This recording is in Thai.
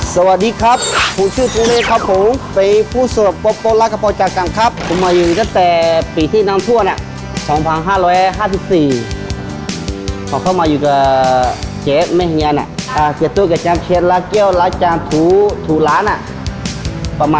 สวัสดีครับผมชื่อพี่เฮียครับผม